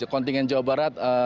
kontingen jawa barat